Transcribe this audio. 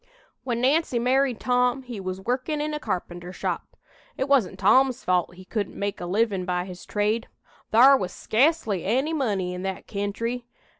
"When Nancy married Tom he was workin' in a carpenter shop. It wasn't Tom's fault he couldn't make a livin' by his trade. Thar was sca'cely any money in that kentry.